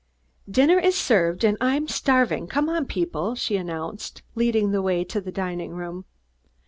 "Dinner is served, and I'm starving. Come on, people!" she announced, leading the way to the dining room.